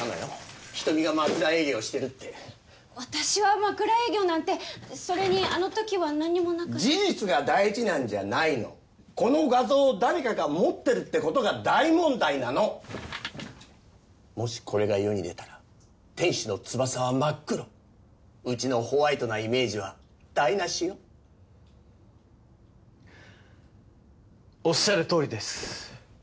人見が枕営業してるって私は枕営業なんてそれにあのときは何もなかった事実が大事なんじゃないのこの画像を誰かが持ってるってことが大問題なのもしこれが世に出たら天使の翼は真っ黒うちのホワイトなイメージは台なしよおっしゃるとおりです